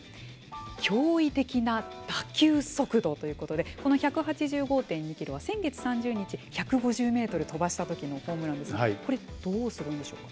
驚異的な打球速度ということでこの１８５．２キロは先月３０日、１５０メートル飛ばしたときのホームランですがこれはどうすごいんでしょうか。